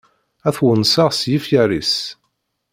Ad twenseɣ s yifyar-is.